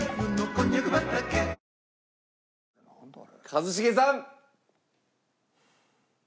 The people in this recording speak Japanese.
一茂さん。